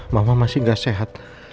mama masih gak sehat